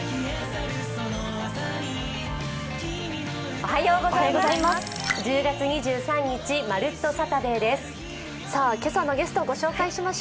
おはようございます。